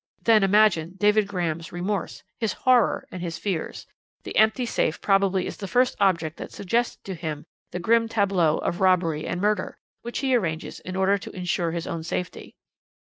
Then imagine David Graham's remorse, his horror and his fears. The empty safe probably is the first object that suggested to him the grim tableau of robbery and murder, which he arranges in order to ensure his own safety.